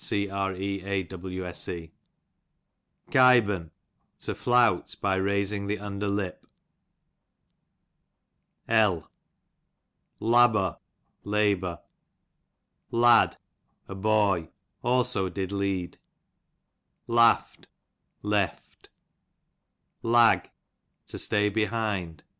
creawae, Kyb'n, to Jloutf by raising the under lip^ ILaBBOR, labour. Lad, a boy; also did lead* Laft, lef^. Lag, to stay behind.